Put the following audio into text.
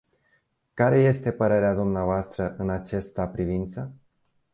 Care este părerea dvs. în această privință?